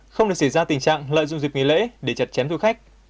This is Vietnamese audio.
không để xảy ra tình trạng lợi dụng dịp nghỉ lễ để chặt chém du khách